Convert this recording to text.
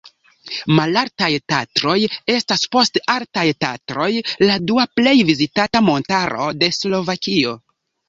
Malaltaj Tatroj estas post Altaj Tatroj la dua plej vizitata montaro de Slovakio.